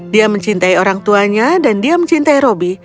dia mencintai orang tuanya dan dia mencintai roby